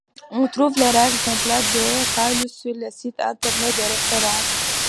On trouve les règles complètes de Caylus sur les sites Internet de référence.